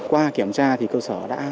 qua kiểm tra cơ sở đã cập nhập bổ sung